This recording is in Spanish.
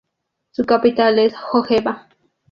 Su capital es Jõgeva.